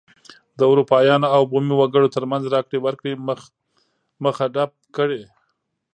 د اروپایانو او بومي وګړو ترمنځ راکړې ورکړې مخه ډپ کړي.